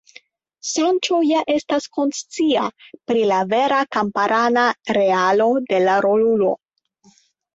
Sanĉo ja estas konscia pri la vera kamparana realo de la rolulo.